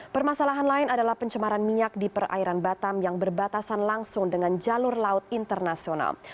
permasalahan lain adalah pencemaran minyak di perairan batam yang berbatasan langsung dengan jalur laut internasional